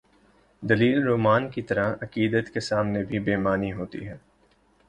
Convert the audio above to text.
دلیل رومان کی طرح، عقیدت کے سامنے بھی بے معنی ہو تی ہے۔